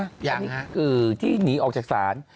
อันนี้คือที่หนีออกจากศาล